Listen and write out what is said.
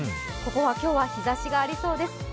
ここは今日は日ざしがありそうです。